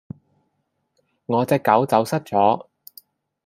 我隻狗走失咗